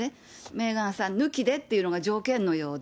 メーガンさん抜きでっていうのが条件のようで。